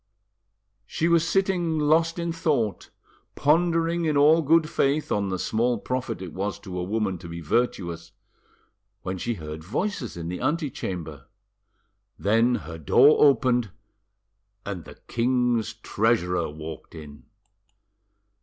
She was sitting lost in thought, pondering in all good faith on the small profit it was to a woman to be virtuous, when she heard voices in the antechamber. Then her door opened, and the king's treasurer walked in.